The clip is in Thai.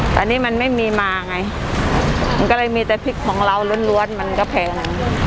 แต่นี่มันไม่มีมาไงมันก็เลยมีแต่พริกของเราล้วนมันก็แพง